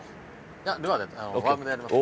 いやルアーでワームでやります。